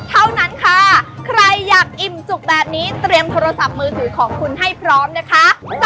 เท่านั้นค่ะใครอยากอิ่มจุกแบบนี้เตรียมโทรศัพท์มือถือของคุณให้พร้อมนะคะ